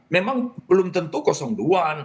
memang belum tentu kosong duaan